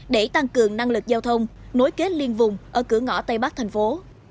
để tăng cường năng lực giao thông nối kết liên vùng ở cửa ngõ tây bắc thành phố